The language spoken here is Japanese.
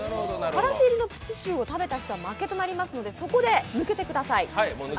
からし入りのプチシューを食べた人は負けとなりますのでそこで抜けてください。